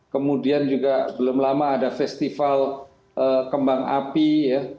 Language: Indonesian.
kemudian juga belum lama ada festival kembang api ya